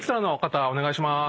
お願いします。